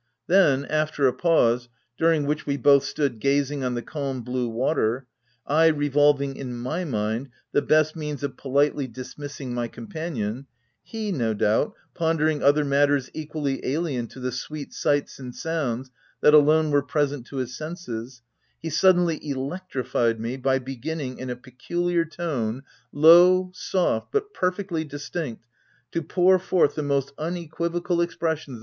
Then, after a pause, during which we both stood gazing on the calm, blue water ; I revolving in my mind the best means of politely dismissing my companion, he, no doubt, pondering other matters equally alien to the sweet sights and sounds that alone were present to his senses, — he suddenly electrified me by beginning, in a peculiar tone, low, soft, but perfectly distinct, to pour forth the most unequivocal expressions OP WILDFELL HALL.